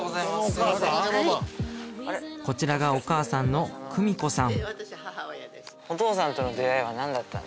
はいこちらがお母さんの久美子さん